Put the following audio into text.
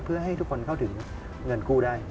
เพื่อให้ทุกคนเข้าถึงเงินกู้ได้